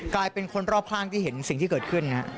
กลายเป็นคนรอบข้างที่เห็นสิ่งที่เกิดขึ้น